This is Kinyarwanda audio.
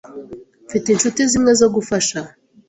Mfite inshuti zimwe zo gufasha.